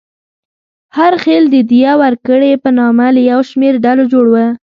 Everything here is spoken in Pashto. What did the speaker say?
هر خېل د دیه ورکړې په نامه له یو شمېر ډلو جوړ و.